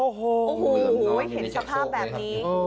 โอ้โหเห็นสภาพแบบนี้